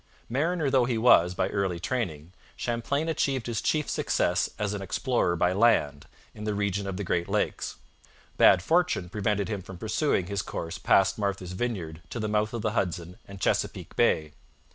Mariner though he was by early training, Champlain achieved his chief success as an explorer by land, in the region of the Great Lakes. Bad fortune prevented him from pursuing his course past Martha's Vineyard to the mouth of the Hudson and Chesapeake Bay.